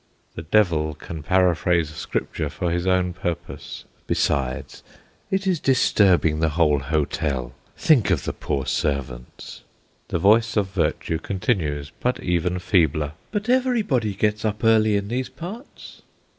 The devil can paraphrase Scripture for his own purpose. "Besides, it is disturbing the whole hotel; think of the poor servants." The voice of Virtue continues, but even feebler: "But everybody gets up early in these parts."